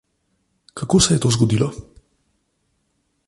Kako se je to zgodilo?